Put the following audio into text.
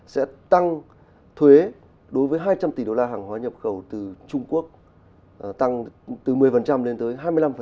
sẽ tăng thuế đối với hai trăm linh tỷ đô la hàng hóa nhập khẩu từ trung quốc tăng từ một mươi lên tới hai mươi năm